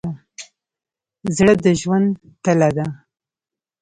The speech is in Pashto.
زړه د ژوند تله ده.